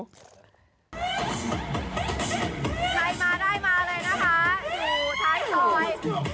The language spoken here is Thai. ได้มาได้มาเลยนะคะดูท้ายคอย